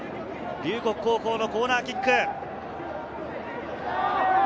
龍谷高校のコーナーキック。